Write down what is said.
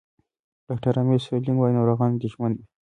ډاکټر امل سټرلینګ وايي، ناروغان اندېښمن وي.